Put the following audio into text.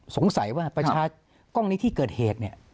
สงสัยว่าประชากล้องนี้ที่เกิดเหตุ